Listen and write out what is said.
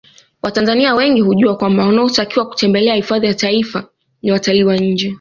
Watanzania wengi hujua kwamba wanaotakiwa kutembelea hifadhi za Taifa ni watalii wa nje